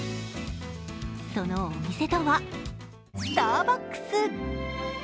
そのお店とはスターバックス。